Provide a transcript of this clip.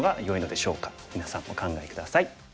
みなさんお考え下さい。